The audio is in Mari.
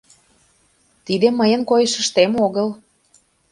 Тиде мыйын койышыштем огыл.